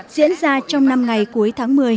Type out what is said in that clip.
diễn ra trong năm ngày cuối tháng một mươi